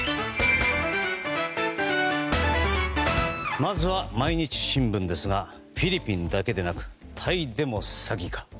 まずは毎日新聞ですがフィリピンだけでなくタイでも詐欺か。